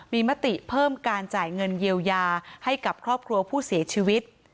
มีมติเพิ่มการจ่ายเงินเยียวยาให้กับครอบครัวผู้เสียชีวิต